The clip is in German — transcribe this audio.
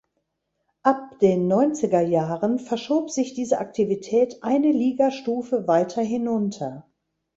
Ab den Neunzigerjahren verschob sich diese Aktivität eine Ligastufe weiter hinunter.